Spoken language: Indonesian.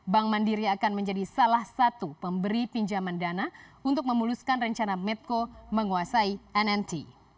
bank mandiri akan menjadi salah satu pemberi pinjaman dana untuk memuluskan rencana medco menguasai nnt